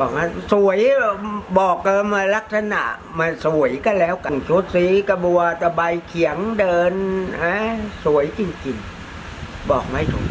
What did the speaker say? บอกว่าสวยบอกกันมาลักษณะมาสวยก็แล้วกันชุดสีกระบัวตะใบเขียงเดินฮะสวยจริงบอกไม่ถูก